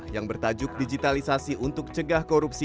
yang bertajuk digitalisasi untuk cegah korupsi